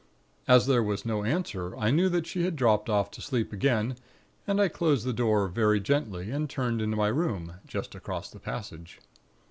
As there was no answer, I knew that she had dropped off to sleep again, and I closed the door very gently, and turned into my room, just across the passage.